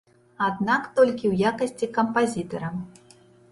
Аднак толькі ў якасці кампазітара.